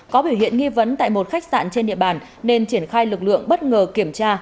có biểu hiện nghi vấn tại một khách sạn trên địa bàn nên triển khai lực lượng bất ngờ kiểm tra